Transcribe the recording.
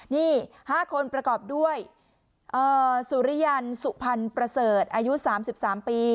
นี่๕คนประกอบด้วยสุริยันสุพรรณประเสริฐอายุ๓๓ปี